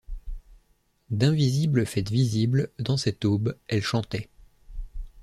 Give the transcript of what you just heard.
D’invisible faite visible, dans cette aube, elle chantait.